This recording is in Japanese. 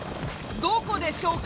どこでしょうか？